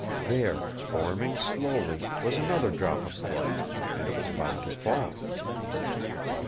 There, forming slowly, was another drop of blood, and it was about to fall.